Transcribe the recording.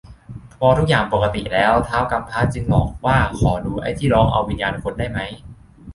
พอทุกอย่างปกติแล้ว ท้าวกำพร้าจึงหลอกว่าขอดูไอ้ที่ร้องเอาวิญญาณคนได้ไหม